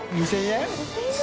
１０００円。